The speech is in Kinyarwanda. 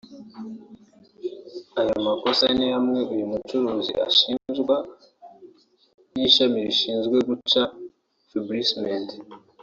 Ayo makosa ni amwe uyu mucuruzi ashinjwa n’Ishami rishinzwe guca Fibrociment